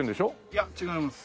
いや違います。